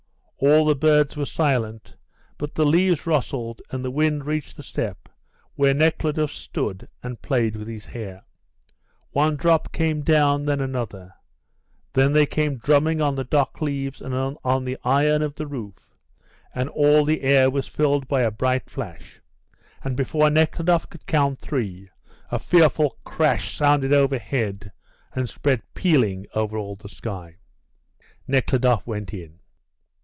All the birds were silent, but the leaves rustled and the wind reached the step where Nekhludoff stood and played with his hair. One drop came down, then another; then they came drumming on the dock leaves and on the iron of the roof, and all the air was filled by a bright flash, and before Nekhludoff could count three a fearful crash sounded over head and spread pealing all over the sky. Nekhludoff went in.